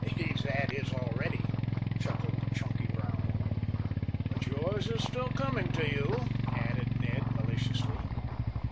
"He's had his already," chuckled Chunky Brown. "But yours is still coming to you," added Ned maliciously.